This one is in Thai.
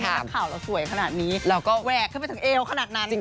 นักข่าวเราสวยขนาดนี้เราก็แหวกขึ้นไปถึงเอวขนาดนั้น